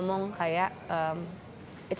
aku juga ngebahas segala traumanya